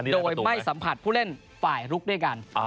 โดยไม่สัมผัสผู้เล่นฝ่ายลุกด้วยกัน